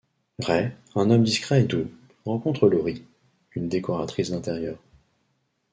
Ray, un homme discret et doux, rencontre Laurie, une décoratrice d'intérieur.